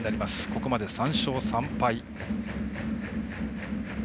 ここまで３勝３敗。